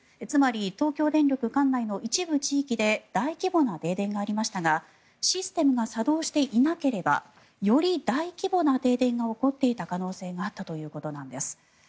つまり、東京電力管内の一部地域で大規模な停電がありましたがシステムが作動していなければより大規模な停電が起こっていた可能性があったということなんです。